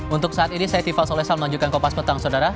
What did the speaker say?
untuk saat ini saya tifal solesa menunjukkan kopas petang saudara